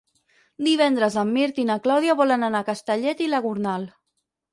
Divendres en Mirt i na Clàudia volen anar a Castellet i la Gornal.